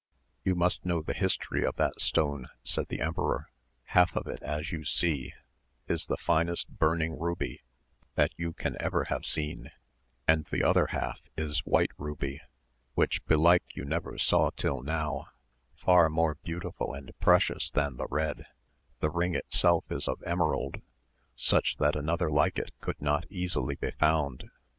You must know the history of that stone, said the emperor, half of it as you see is the finest burning ruby that you can ever have seen, and the other half is white ruby, which belike you never saw till now, far more beautiful and precious than the red; the ring itself is of emerald, such that another like it could not easily be found.